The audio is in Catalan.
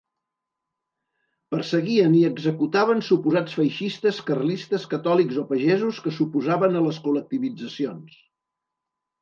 Perseguien i executaven suposats feixistes, carlistes, catòlics o pagesos que s'oposaven a les col·lectivitzacions.